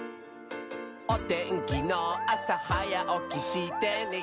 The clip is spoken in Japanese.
「おてんきのあさはやおきしてね」